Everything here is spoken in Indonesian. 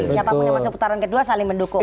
siapapun yang masuk putaran kedua saling mendukung